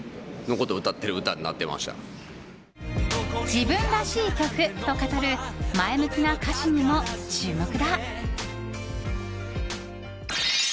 自分らしい曲と語る前向きな歌詞にも注目だ。